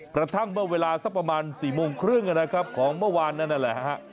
กระทั่งเมื่อเวลาสักประมาณ๔โมงครึ่งนะครับของเมื่อวานนั่นแหละฮะ